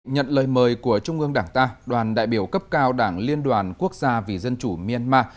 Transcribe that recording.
nhận lời mời của trung ương đảng ta đoàn đại biểu cấp cao đảng liên đoàn quốc gia vì dân chủ myanmar